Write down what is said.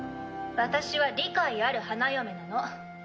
私は理解ある花嫁なの。